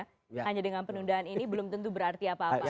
hanya dengan penundaan ini belum tentu berarti apa apa